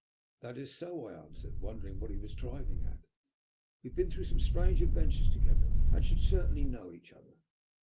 "That is so," I answered, wondering what he was driving at; "we have been through some strange adventures together, and should certainly know each other.